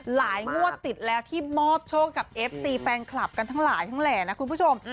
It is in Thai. งวดติดแล้วที่มอบโชคกับเอฟซีแฟนคลับกันทั้งหลายทั้งแหล่นะคุณผู้ชม